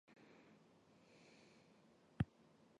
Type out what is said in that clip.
碧螺虾仁是中国苏州苏帮菜的著名传统菜式。